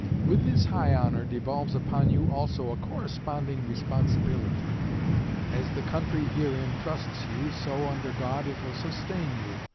With this high honor devolves upon you also a corresponding responsibility. As the country herein trusts you, so, under God, it will sustain you.